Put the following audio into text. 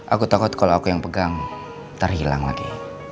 aku takut kalau aku yang pegang ntar hilang lagi